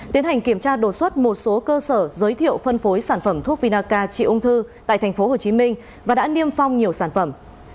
tiến hành kiểm tra đột xuất một số cơ sở giới thiệu phân phối sản phẩm thuốc vinaca trị ung thư tại tp hcm và đã niêm phong nhiều sản phẩm